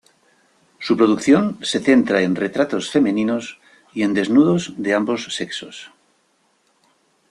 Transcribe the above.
Su producción se centra en retratos femeninos y en desnudos de ambos sexos.